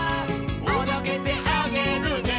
「おどけてあげるね」